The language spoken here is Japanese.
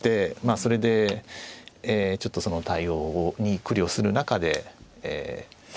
それでちょっとその対応に苦慮する中でええ。